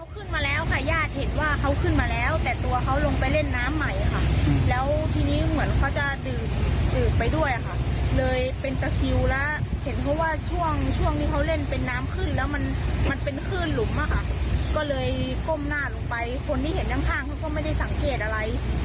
ก็๑๐นาทีได้ค่ะที่เห็นว่าหน้ากล้มลงไปจากน้ำค่ะ